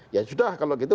ya sudah kalau gitu